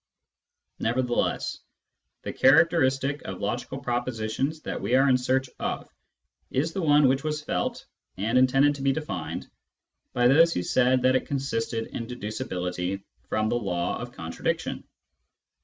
Nevertheless, the characteristic of logical propositions that we are in search of is the one which was felt, and intended to be defined, by those who said that it consisted in deducibility from the law of contradiction.